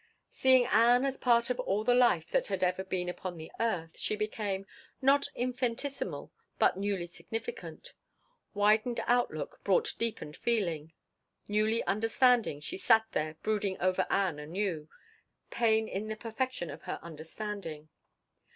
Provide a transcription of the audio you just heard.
Seeing Ann as part of all the life that had ever been upon the earth she became, not infinitesimal, but newly significant. Widened outlook brought deepened feeling. Newly understanding, she sat there brooding over Ann anew, pain in the perfection of her understanding.